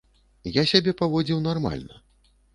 Я сябе паводзіў нармальна.